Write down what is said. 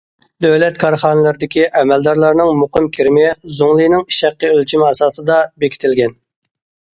دۆلەت كارخانىلىرىدىكى ئەمەلدارلارنىڭ مۇقىم كىرىمى زۇڭلىنىڭ ئىش ھەققى ئۆلچىمى ئاساسىدا بېكىتىلگەن.